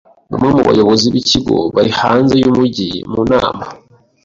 Bamwe mu bayobozi b'ikigo bari hanze y'umujyi mu nama.